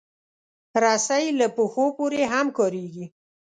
رسۍ له پښو پورې هم کارېږي.